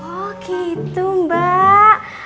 oh gitu mbak